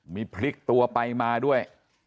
มีพลิกตัวไปมาด้วย